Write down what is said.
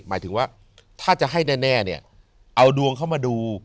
หมายถึงว่าถ้าจะให้แน่เนี่ยเอาดวงเข้ามาดู